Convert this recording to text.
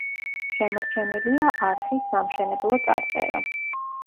შემორჩენილია არხის სამშენებლო წარწერა.